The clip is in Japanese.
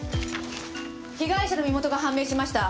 被害者の身元が判明しました。